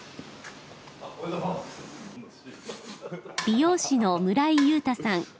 美容師の村井雄太さん。